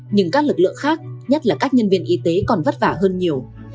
nhưng các lực lượng khác nhất là các nhân viên y tế còn vất vả hơn nhiều